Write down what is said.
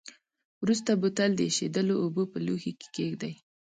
وروسته بوتل د ایشېدلو اوبو په لوښي کې کیږدئ.